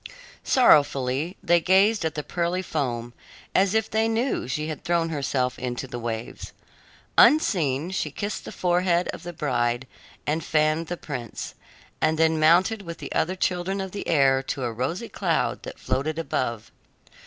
Sorrowfully they gazed at the pearly foam, as if they knew she had thrown herself into the waves. Unseen she kissed the forehead of the bride and fanned the prince, and then mounted with the other children of the air to a rosy cloud that floated above.